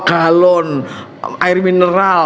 kalon air mineral